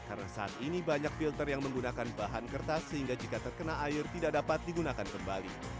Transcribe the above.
karena saat ini banyak filter yang menggunakan bahan kertas sehingga jika terkena air tidak dapat digunakan kembali